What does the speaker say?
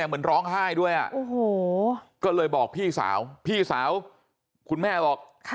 เหมือนร้องไห้ด้วยก็เลยบอกพี่สาวพี่สาวคุณแม่บอก